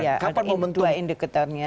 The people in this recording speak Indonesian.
ya ada dua indikatornya